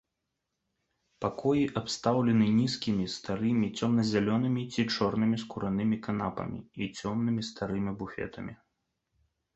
Пакоі абстаўлены нізкімі старымі цёмна-зялёнымі ці чорнымі скуранымі канапамі і цёмнымі старымі буфетамі.